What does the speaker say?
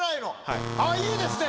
あっいいですね。